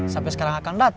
sampe sekarang akan dateng